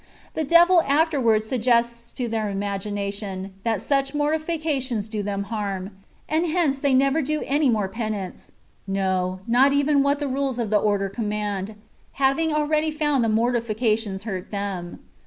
The devil after wards suggests to their imagination, that such mortifications do them harm, and hence they never do any more penance ; no, not even what the rules of the order command, having already found the mortifications hurt them.